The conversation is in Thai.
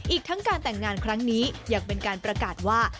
อีกทั้งการแต่งงานครั้งนี้ยังเป็นการประกาศว่า